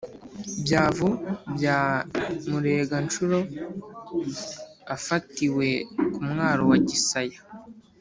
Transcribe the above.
Byavu bya Mureganshuro afatiwe ku mwaro wa Gisaya